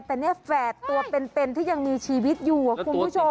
แต่เนี่ยแฝดตัวเป็นที่ยังมีชีวิตอยู่คุณผู้ชม